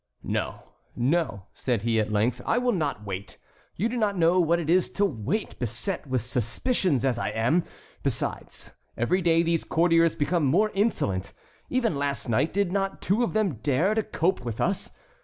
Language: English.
"No, no," said he, at length; "I will not wait. You do not know what it is to wait, beset with suspicions as I am. Besides, every day these courtiers become more insolent. Even last night did not two of them dare to cope with us?